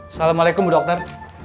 assalamualaikum bu dokter